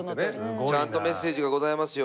ちゃんとメッセージがございますよ。